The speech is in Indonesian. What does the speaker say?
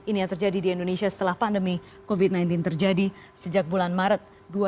ini yang terjadi di indonesia setelah pandemi covid sembilan belas terjadi sejak bulan maret dua ribu dua puluh